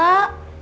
mas aldi tv